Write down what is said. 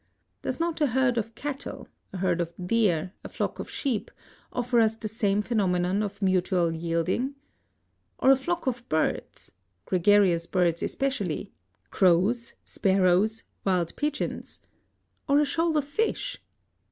Does not a herd of cattle, a herd of deer, a flock of sheep, offer us the same phenomenon of mutual yielding? Or a flock of birds gregarious birds especially: crows, sparrows, wild pigeons? Or a shoal of fish?